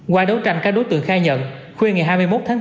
qua đấu tranh các đối tượng khai nhận khuya ngày hai mươi một tháng bốn